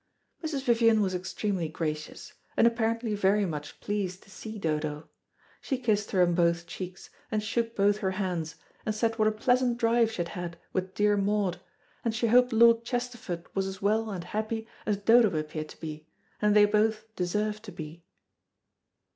Mrs. Vivian was extremely gracious, and apparently very much pleased to see Dodo. She kissed her on both cheeks, and shook both her hands, and said what a pleasant drive she had had with dear Maud, and she hoped Lord Chesterford was as well and happy as Dodo appeared to be, and they both deserved to be.